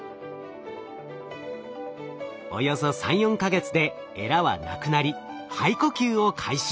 およそ３４か月でエラはなくなり肺呼吸を開始。